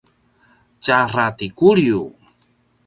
tjara ti Kuliu